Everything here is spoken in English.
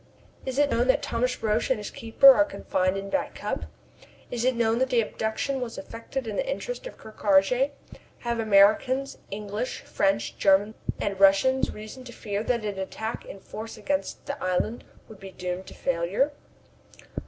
Is it known that Thomas Roch and his keeper are confined in Back Cup? Is it known that the abduction was effected in the interest of Ker Karraje? Have Americans, English, French, Germans, and Russians reason to fear that an attack in force against the island would be doomed to failure?"